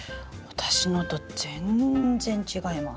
私のと全然違います。